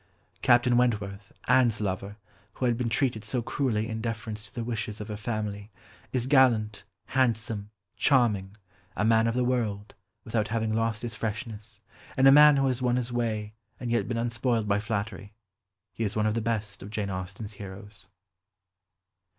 Captain Wentworth, Anne's lover, who had been treated so cruelly in deference to the wishes of her family, is gallant, handsome, charming, a man of the world, without having lost his freshness, and a man who has won his way and yet been unspoiled by flattery; he is one of the best of Jane Austen's heroes.